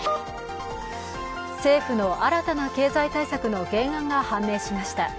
政府の新たな経済対策の原案が判明しました。